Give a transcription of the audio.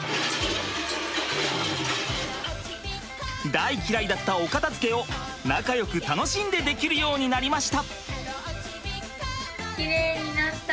大嫌いだったお片づけを仲よく楽しんでできるようになりました。